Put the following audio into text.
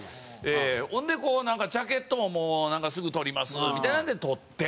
ほんでなんかジャケットももうすぐ撮りますみたいなので撮って。